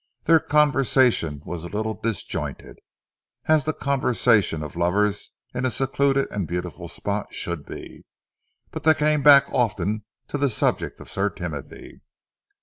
Their conversation was a little disjointed, as the conversation of lovers in a secluded and beautiful spot should be, but they came back often to the subject of Sir Timothy.